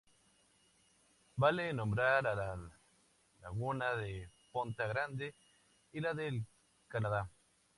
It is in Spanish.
Vale nombrar a la laguna de "Ponta Grande" y la del "Canadá".